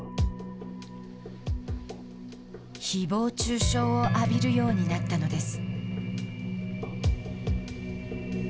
ひぼう中傷を浴びるようになったのです。